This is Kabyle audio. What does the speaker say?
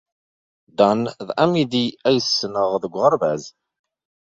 Dan d amidi ay ssneɣ deg uɣerbaz.